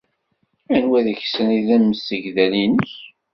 Anwa deg-sen ay d amsegdal-nnek?